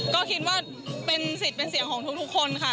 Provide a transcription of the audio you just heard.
ก็คิดว่าเป็นสิทธิ์เป็นเสียงของทุกคนค่ะ